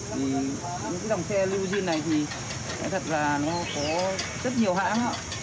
thì những cái dòng xe limousine này thì thật là nó có rất nhiều hãng ạ